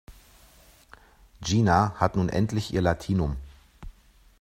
Gina hat nun endlich ihr Latinum.